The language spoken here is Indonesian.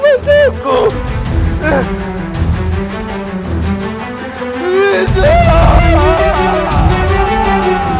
masuklah ke dalam tubuh